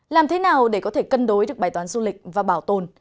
làm thế nào để có thể cân đối được bài toán du lịch và bảo tồn